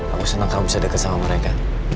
aku senang kamu bisa deket sama mereka